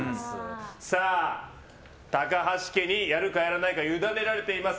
さあ、高橋家にやるかやらないかゆだねられています。